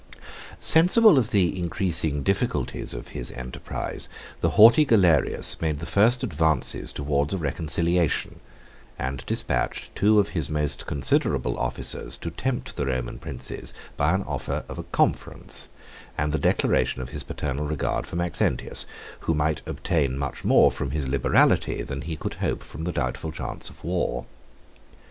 Sensible of the increasing difficulties of his enterprise, the haughty Galerius made the first advances towards a reconciliation, and despatched two of his most considerable officers to tempt the Roman princes by the offer of a conference, and the declaration of his paternal regard for Maxentius, who might obtain much more from his liberality than he could hope from the doubtful chance of war.